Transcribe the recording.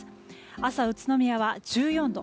朝、宇都宮は１４度。